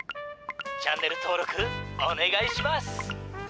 チャンネル登ろくおねがいします！」。